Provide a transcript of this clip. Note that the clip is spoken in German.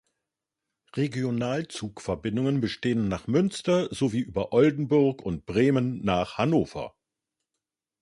Regionalzugverbindungen bestehen nach Münster sowie über Oldenburg und Bremen nach Hannover.